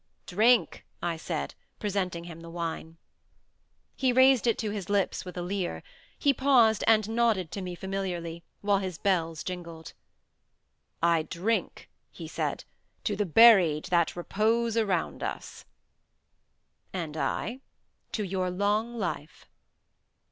"Drink," I said, presenting him the wine. He raised it to his lips with a leer. He paused and nodded to me familiarly, while his bells jingled. "I drink," he said, "to the buried that repose around us." "And I to your long life."